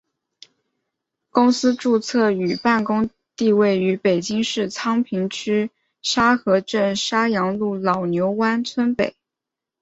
公司注册与办公地位于北京市昌平区沙河镇沙阳路老牛湾村北。